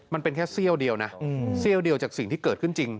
มันเป็นแค่เสี้ยวเดียวนะเสี้ยวเดียวจากสิ่งที่เกิดขึ้นจริง